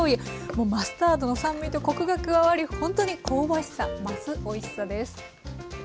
もうマスタードの酸味とこくが加わりほんとに香ばしさ増すおいしさです。